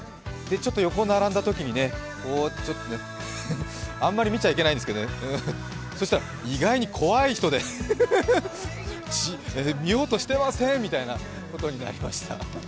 ちょっと横に並んだときにね、あんまり見ちゃいけないんですけどね、そうしたら意外に怖い人で見ようとしてませんみたいなことになりました。